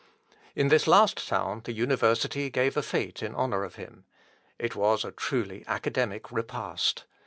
In this last town the university gave a fete in honour of him. It was a truly academic repast.